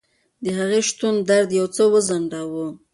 د هغې شتون درد یو څه وځنډاوه.